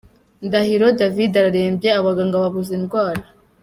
Ndahiro David ararembye, abaganga babuze indwara.